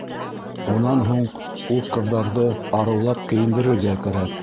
Унан һуң ул ҡыҙҙарҙы арыулап кейендерергә кәрәк.